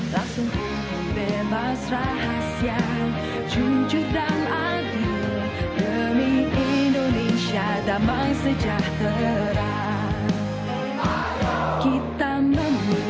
langsung bebas rahasia jujur dan adil demi indonesia damai sejahtera kita menunggu